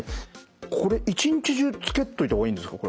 これ一日中着けといた方がいいんですか？